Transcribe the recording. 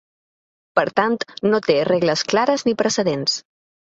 Per tant, no té regles clares ni precedents.